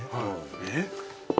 えっ？